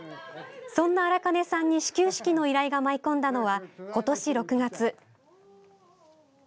そんな荒金さんに始球式の依頼が舞い込んだのは今年６月。